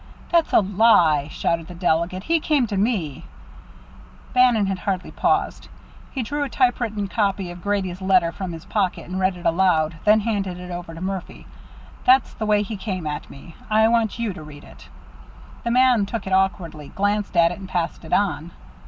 "That's a lie!" shouted the delegate. "He come to me " Bannon had hardly paused. He drew a typewritten copy of Grady's letter from his pocket, and read it aloud, then handed it over to Murphy. "That's the way he came at me. I want you to read it." The man took it awkwardly, glanced at it, and passed it on.